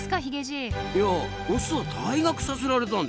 いやオスは退学させられたんでしょ？